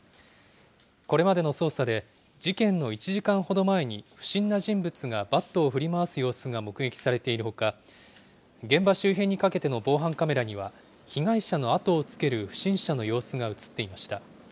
これまでの捜査で、事件の１時間ほど前に、不審な人物がバットを振り回す様子が目撃されているほか、現場周辺にかけての防犯カメラには、被害者の後をつける不審者の様子が写っていました。